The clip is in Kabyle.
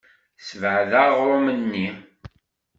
Ssebɛed aɣrum-nni.